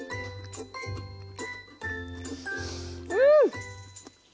うん！